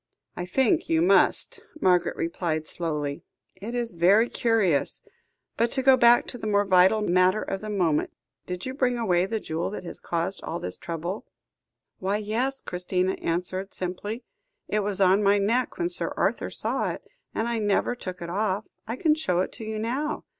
"I think you must," Margaret replied slowly. "It is very curious. But, to go back to the more vital matter of the moment. Did you bring away the jewel which has caused all this trouble?" "Why, yes," Christina answered simply. "It was on my neck when Sir Arthur saw it, and I never took it off. I can show it to you now."